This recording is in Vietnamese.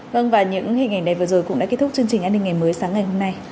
vâng và những hình ảnh này vừa rồi cũng đã kết thúc chương trình an ninh ngày mới sáng ngày hôm nay